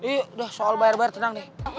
yaudah soal bayar bayar tenang deh